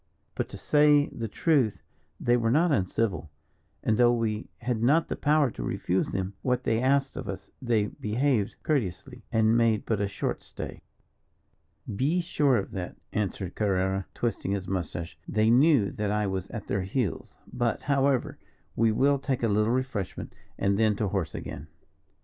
"But to say the truth, they were not uncivil, and though we had not the power to refuse them what they asked of us, they behaved courteously, and made but a short stay." "Be sure of that," answered Carrerra, twisting his moustache; "they knew that I was at their heels. But, however, we will take a little refreshment, and then to horse again."